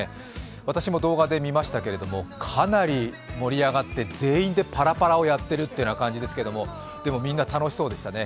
私も動画で見ましたけれども、かなり盛り上がって全員でパラパラをやっているという感じでしたけど、みんな楽しそうでしたね。